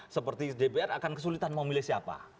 seperti dpr akan kesulitan mau milih siapa